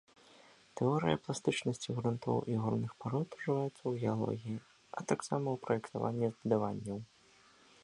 Тэорыя пластычнасці грунтоў і горных парод ужываецца ў геалогіі, а таксама ў праектаванні збудаванняў.